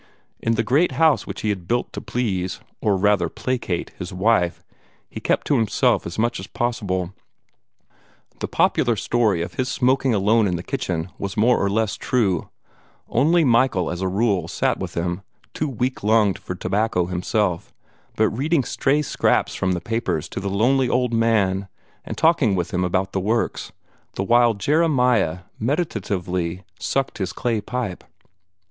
In the great house which had been built to please, or rather placate, his wife, he kept to himself as much as possible. The popular story of his smoking alone in the kitchen was more or less true; only Michael as a rule sat with him, too weak lunged for tobacco himself, but reading stray scraps from the papers to the lonely old man, and talking with him about the works, the while Jeremiah meditatively sucked his clay pipe.